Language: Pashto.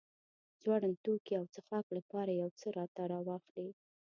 خوړن توکي او څښاک لپاره يو څه راته راواخلې.